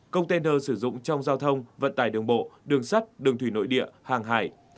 container sử dụng trong giao thông vận tải đường bộ đường sắt đường thủy nội địa hàng hải